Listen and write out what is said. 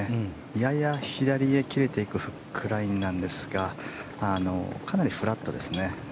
やや左へ切れていくフックラインですがかなりフラットですね。